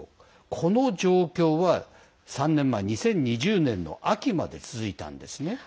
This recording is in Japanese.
この状況は３年前２０２０年秋まで続いたんです。